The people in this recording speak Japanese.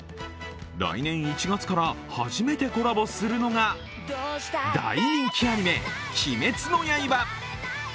来年１月から初めてコラボするのが大人気アニメ「鬼滅の刃」。